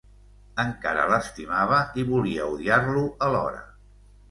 Encara l'estimava i volia odiar-lo alhora.